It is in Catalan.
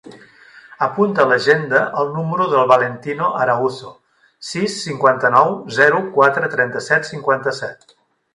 Apunta a l'agenda el número del Valentino Arauzo: sis, cinquanta-nou, zero, quatre, trenta-set, cinquanta-set.